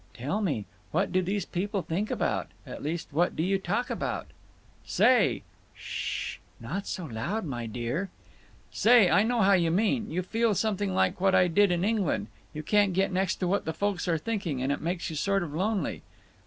"Tell me, what do these people think about; at least, what do you talk about?" "Say!" "S s s h! Not so loud, my dear." "Say, I know how you mean. You feel something like what I did in England. You can't get next to what the folks are thinking, and it makes you sort of lonely."